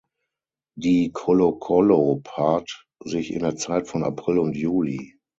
Die Colocolo paart sich in der Zeit von April und Juli.